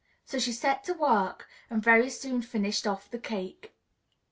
So she set to work and very soon finished off the cake.